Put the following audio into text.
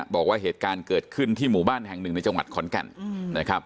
บอกว่าเหตุการณ์เกิดขึ้นที่หมู่บ้านแห่งหนึ่งในจังหวัดขอนแก่นนะครับ